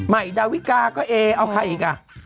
ดาวิกาก็เอเอาใครอีกอ่ะ